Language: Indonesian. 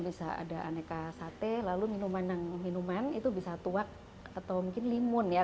bisa ada aneka sate lalu minuman minuman itu bisa tuak atau mungkin limun ya